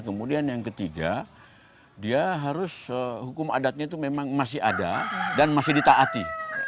kemudian yang ketiga dia harus hukum adatnya itu memang masih ada dan masih ditaati